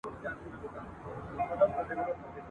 چا نذرونه خیراتونه ایښودله ..